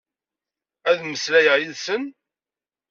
Ad mmeslayeɣ yid-sen?